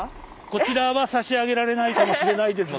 こちらは差し上げられないかもしれないですが。